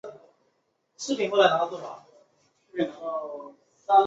匈奴右贤王去卑的儿子。